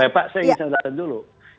pak saya ingin catatan dulu